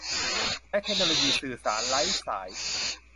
และเทคโนโลยีสื่อสารไร้สาย